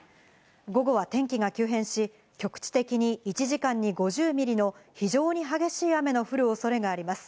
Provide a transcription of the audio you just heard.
午後は天気が急変し、局地的に１時間に５０ミリの非常に激しい雨の降るおそれがあります。